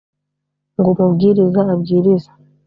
ngo umubwiliza abwilize